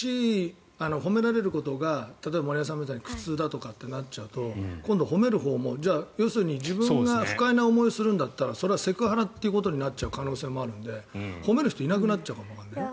褒められることが例えば森山さんみたいに苦痛だとかってなっちゃうと今度、褒めるほうも要するに自分が不快な思いをするんだったらそれはセクハラということになっちゃう可能性もあるので褒める人がいなくなっちゃうかもわからないよ。